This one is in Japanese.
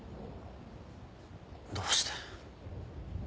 どうして。